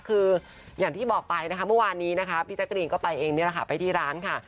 คืออย่างที่บอกไปนะคะเมื่อวานนี้นะคะพี่แจ๊กรีนก็ไปเองนี่แหละค่ะไปที่ร้านค่ะ